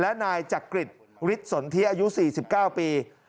และนายจักริตฤทธิสนทิอายุ๔๙ปี